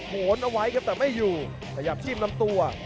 โหนเอาไว้ครับแต่ไม่อยู่ขยับจิ้มลำตัว